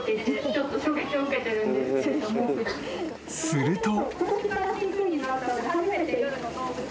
［すると］